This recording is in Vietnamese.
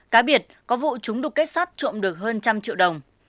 cá biệt có vụ chúng đục kết sắt trộm được hơn trăm triệu đồng